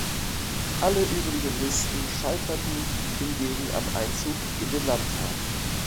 Alle übrigen Listen scheiterten hingegen am Einzug in den Landtag.